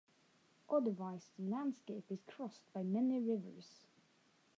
Otherwise the landscape is crossed by many rivers.